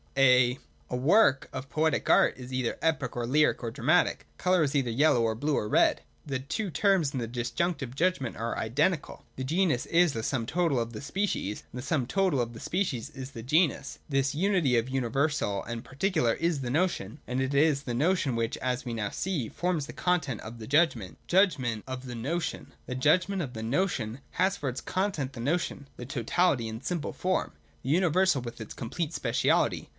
A work of poetic art is either epic or lyric or dramatic. Colour is either yellow or blue or red. The two terms in the Disjunctive judgment are identical. The genus is the sum total of the species, and the sum total of the species is the genus. This unity of the universal and the particular is the notion : and it is the notion which, as we now see, forms the content of the judgment. (8) Judgment of the Notion. 178.] The Judgment of the Notion has for its content the notion, the totality in simple form, the universal with its complete speciality.